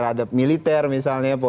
rhora dan mineralis air